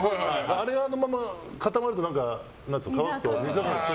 あれがあのまま固まると水垢になる。